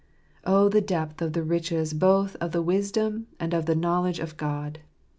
" Oh, the depth of the riches both of the wisdom and of the knowledge of God !